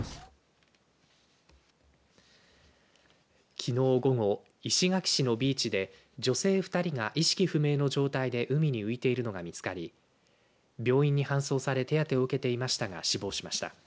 きのう午後、石垣市のビーチで女性２人が意識不明の状態で海に浮いているのが見つかり病院に搬送され手当てを受けていましたが死亡しました。